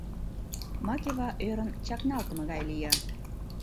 Макева ӧрын чакналтыме гай лие.